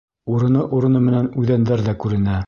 Урыны-урыны менән үҙәндәр ҙә күренә.